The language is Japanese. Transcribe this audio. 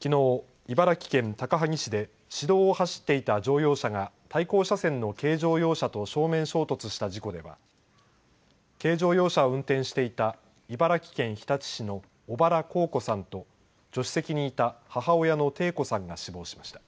きのう、茨城県高萩市で市道を走っていた乗用車が対向車線の軽乗用車と正面衝突した事故では軽乗用車を運転していた茨城県日立市の小原幸子さんと助手席にいた母親のテイ子さんが死亡しました。